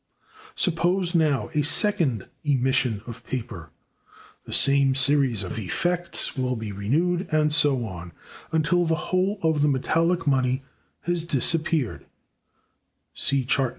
Suppose, now, a second emission of paper; the same series of effects will be renewed; and so on, until the whole of the metallic money has disappeared [see Chart No.